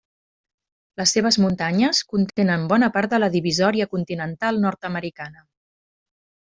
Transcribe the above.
Les seves muntanyes contenen bona part de la divisòria continental nord-americana.